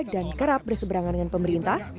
dan kerap berseberangan dengan pemerintah